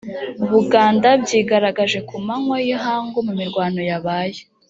buganda byigaragaje ku manywa y ihangu mu mirwano yabaye